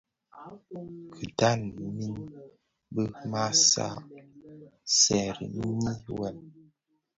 Kidhaň min bi maa seňi wêm,